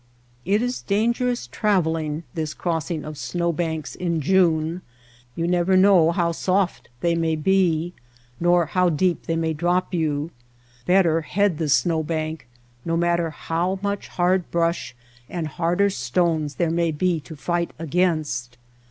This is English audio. It is dangerous travelling — this crossing of snow banks in June. You never know how soft they may be nor how deep they may drop you. Better head the snow bank no matter how much hard brush and harder stones there may be to fight against.